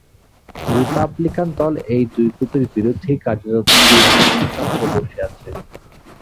Republican দল এই দুই গ্রুপের বিরুদ্ধেই কার্যত যুদ্ধ ঘোষণা করে বসে আছে।